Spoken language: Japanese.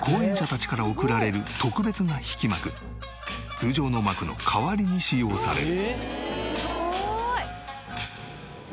通常の幕の代わりに使用される。